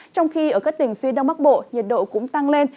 trong khi ở các tỉnh phía đông bắc bộ nhiệt độ cũng tăng lên